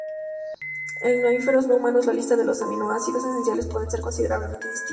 En mamíferos no humanos, la lista de los aminoácidos esenciales puede ser considerablemente distinta.